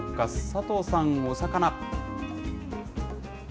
佐藤さん、お魚。